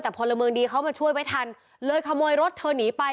แต่พลเมืองดีเขามาช่วยไว้ทันเลยขโมยรถเธอหนีไป